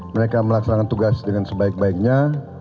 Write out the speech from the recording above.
mereka melaksanakan tugas dengan sebaik baiknya